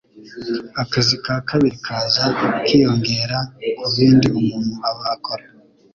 akazi ka kabiri kaza kiyongera ku bindi umuntu aba akora.